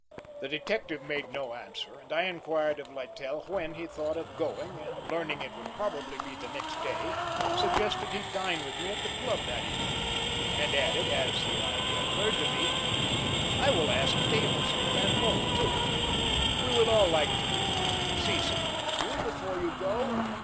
The detective made no answer, and I inquired of Littell when he thought of going and learning it would probably be the next day, suggested he dine with me at the club that evening, and added, as the idea occurred to me: "I will ask Davis and Van Bult too. We would all like to see something of you before you go."